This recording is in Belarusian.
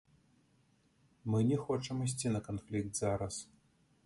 Мы не хочам ісці на канфлікт зараз.